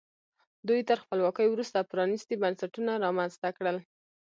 دوی تر خپلواکۍ وروسته پرانیستي بنسټونه رامنځته کړل.